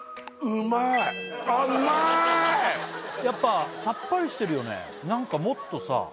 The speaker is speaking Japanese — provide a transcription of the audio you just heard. やっぱさっぱりしてるよねなんかもっとさ